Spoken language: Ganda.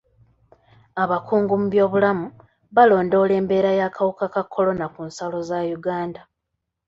Abakungu mu byobulamu balondoola embeera y'akawuka ka kolona ku nsalo za Uganda.